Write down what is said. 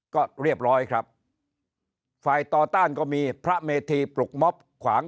ก็เรียบร้อยครับฝ่ายต่อต้านก็มีพระเมธีปลุกม็อบขวาง